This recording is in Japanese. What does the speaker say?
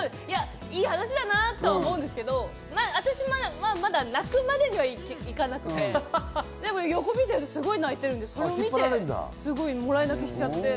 いい話だなと思うんですけど、私もまだ泣くまでにはいかなくて、横を見ると、すごく泣いていて、それを見て、もらい泣きしちゃって。